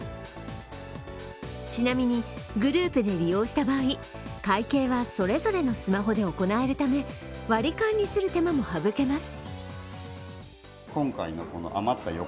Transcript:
ちなみにグループで利用した場合会計はそれぞれのスマホで行えるため割り勘にする手間も省けます。